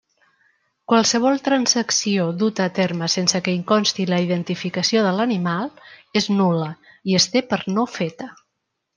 Qualsevol transacció duta a terme sense que hi consti la identificació de l'animal és nul·la i es té per no feta.